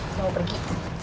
aku mau pergi